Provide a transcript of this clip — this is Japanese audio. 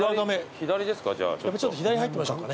左ですか？